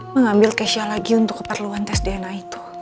mengambil kesia lagi untuk keperluan tes dna itu